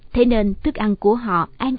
thế nên thức ăn của họ an toàn